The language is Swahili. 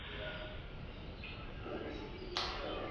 Vikundi vikubwa katika jumla la makabila ni Wahausa na Wafula